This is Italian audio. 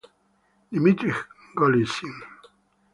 Dmitrij Golicyn